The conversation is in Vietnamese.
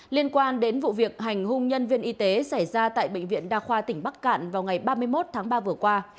liên quan đến vụ việc hành hung nhân viên y tế xảy ra tại bệnh viện đa khoa tỉnh bắc cạn vào ngày ba mươi một tháng ba vừa qua